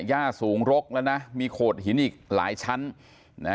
ย่าสูงรกแล้วนะมีโขดหินอีกหลายชั้นนะฮะ